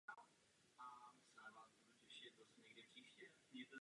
Koncerty vojenských dechových orchestrů v parcích byly typické pro letní období.